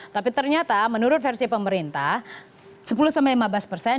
tapi ternyata menurut versi pemerintah sepuluh lima belas persen